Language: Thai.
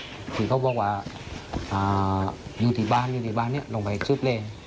คือเขาบอกว่าอยู่ที่บ้านอยู่ที่บ้านนี้ลงไปซึบเลย